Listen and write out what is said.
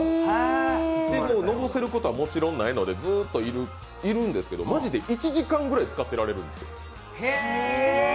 のぼせることはもちろんないので、ずっといるんですけどマジで１時間ぐらいつかってられるんですよ。